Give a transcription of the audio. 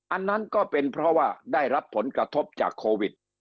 อันนั้นก็เป็นเพราะว่าได้รับผลกระทบจากโควิด